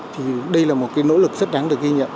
thì đây là một cái nỗ lực rất đáng được ghi nhận